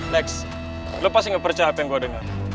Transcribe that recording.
lex lu pasti gak percaya apa yang gue dengar